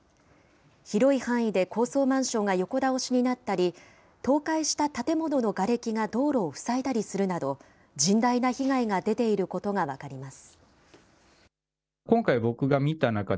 広い範囲で高層マンションが横倒しになったり、倒壊した建物のがれきが道路を塞いだりするなど、甚大な被害が出ていることが分かります。